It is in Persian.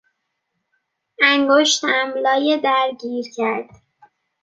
انگشتم لای در گیر کرد.